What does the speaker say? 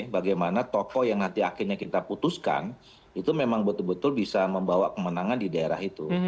bagaimana tokoh yang nanti akhirnya kita putuskan itu memang betul betul bisa membawa kemenangan di daerah itu